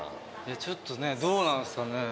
ちょっとねどうなんすかね。